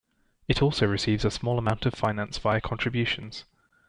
It also receives a small amount of finance via contributions.